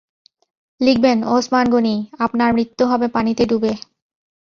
লিখবেন- ওসমান গনি, আপনার মৃত্যু হবে পানিতে ডুবে।